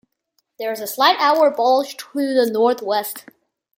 There is a slight outward bulge to the northwest.